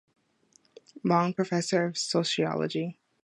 Long Professor of Physiology.